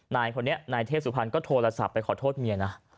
นายคนนี้นายเทพสุพรรณก็โทรศัพท์ไปขอโทษเมียนะ